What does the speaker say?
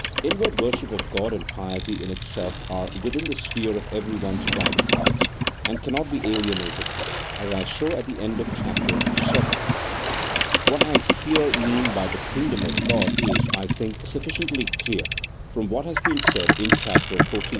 Inward worship of G od and piety in itself are within the sphere of everyone's private rights, and cannot be alienated (as I showed at the end of Chapter Vii.). What I here 246 A THEOLOGICO POLITICAL TREATISE. [CHAP. XIX. mean "by the kingdom of God is, I think, sufficiently clear from what has been said in Chapter XTV.